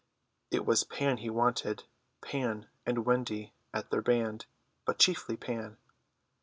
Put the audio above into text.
It was Pan he wanted, Pan and Wendy and their band, but chiefly Pan.